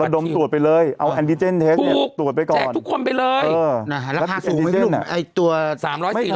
เราดมตรวจไปเลยเอาตรวจไปก่อนแจกทุกคนไปเลยเออเอาตัวสามร้อยสี่ร้อย